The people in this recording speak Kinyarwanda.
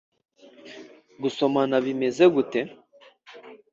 gusomana bimeze gute?”